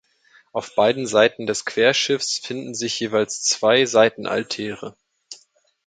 Auf beiden Seiten des Querschiffs finden sich jeweils zwei Seitenaltäre.